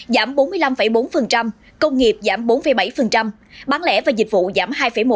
giảm bốn mươi năm bốn công nghiệp giảm bốn bảy bán lẻ và dịch vụ giảm hai một